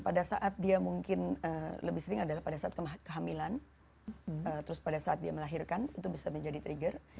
pada saat dia mungkin lebih sering adalah pada saat kehamilan terus pada saat dia melahirkan itu bisa menjadi trigger